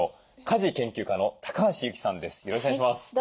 家事研究家の橋ゆきさんです。